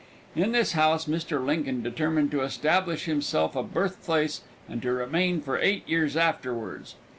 In this house Mr. Lincoln determined to establish for himself a birthplace and to remain for eight years afterwards.